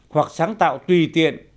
hoặc sáng tạo tùy tiện